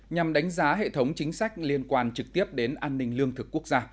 nhằm đánh giá hệ thống chính sách liên quan trực tiếp đến an ninh lương thực quốc gia